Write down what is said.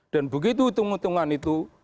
dan begitu hitung hitungan itu